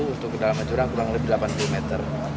untuk kedalaman curang kurang lebih delapan puluh meter